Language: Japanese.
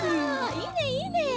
いいねいいね！